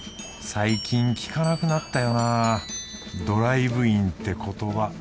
最近聞かなくなったよなドライブインって言葉